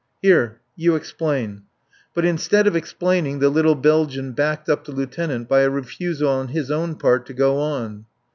"Here You explain." But instead of explaining the little Belgian backed up the lieutenant by a refusal on his own part to go on.